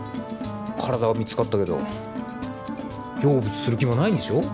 体は見つかったけど成仏する気もないんでしょ？